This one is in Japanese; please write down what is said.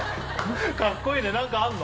カッコいいね何かあんの？